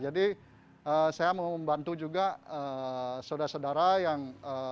jadi saya mau membantu juga saudara saudara yang